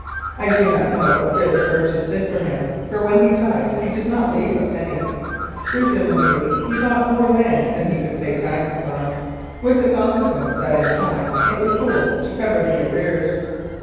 I do not know what good the purchase did him, for when he died he did not leave a penny. Pre sumably he bought more land than he could pay taxes on, with the consequence that in time it was sold to cover the arrears.